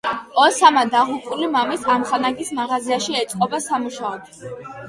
ოსამა დაღუპული მამის ამხანაგის მაღაზიაში ეწყობა სამუშაოდ.